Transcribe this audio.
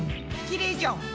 きれいじゃん。